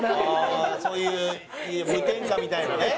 ああそういう無添加みたいなね。